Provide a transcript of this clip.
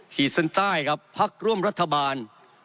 ขีดเส้นใต้ครับพักร่วมรัฐบาล